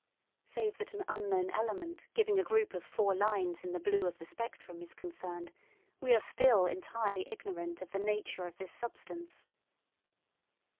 Save that an unknown element giving a group of four lines in the blue of the spectrum is concerned, we are still entirely ignorant of the nature of this substance.